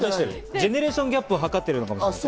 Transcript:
ジェネレーションギャップを図ってるのかもしれない。